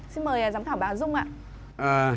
xin mời giám khảo bà dung ạ